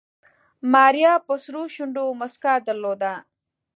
ماريا په سرو شونډو موسکا درلوده.